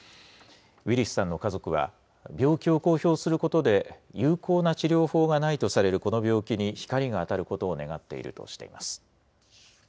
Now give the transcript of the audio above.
ウィリスさんの家族は病気を公表することで有効な治療法がないとされるこの病気に光が当たることを願っているとしています。